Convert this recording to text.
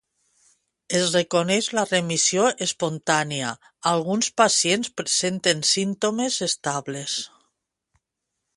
Es reconeix la remissió espontània; alguns pacients presenten símptomes estables.